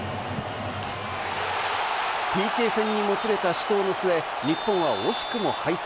ＰＫ戦にもつれた死闘の末、日本は惜しくも敗戦。